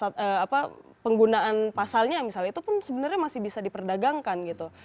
jadi tinggi rendahnya apa penggunaan pasalnya misalnya itu pun sebenarnya masih bisa diperdagangkan gitu